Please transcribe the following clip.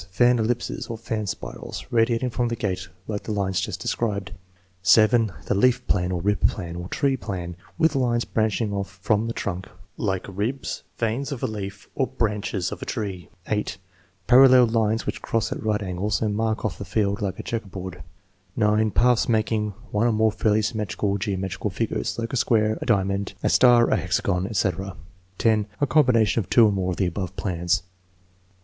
"Fan ellipses" or "fan spirals" radiating from the gate like the lines just described. 212 THE MEASUREMENT OF INTELLIGENCE 7. The "leaf plan," "rib plan," or "tree plan,"* with lines branching off from a trunk line like ribs, veins of a leaf, or branches of a tree. 8. Parallel lines which cross at right angles and mark off the field like a checkerboard. 9. Paths making one or more fairly symmetrical geometrical figures, like a square, a diamond, a star, a hexagon, etc. 10. A combination of two or more of the above plans.